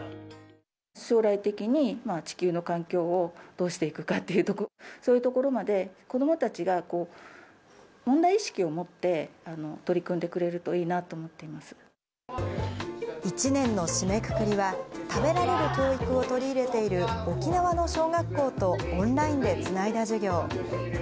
将来的に地球の環境をどうしていくかっていうとこ、そういうところまで子どもたちが問題意識を持って取り組んでくれ１年の締めくくりは、食べられる教育を取り入れている沖縄の小学校とオンラインでつないだ授業。